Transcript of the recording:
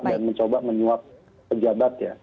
dan mencoba menyuap pejabat ya